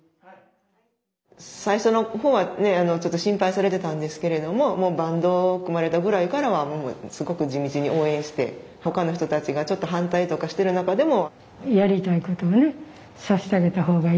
最初の方はねちょっと心配されてたんですけれどもバンドを組まれたぐらいからはもうすごく地道に応援して他の人たちがちょっと反対とかしてる中でも。